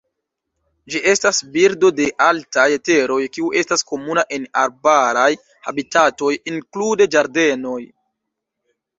Ĝi estas birdo de altaj teroj kiu estas komuna en arbaraj habitatoj, inklude ĝardenoj.